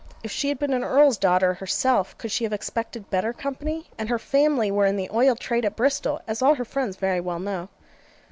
If she had been an Earl's daughter herself could she have expected better company? and her family were in the oil trade at Bristol, as all her friends very well know.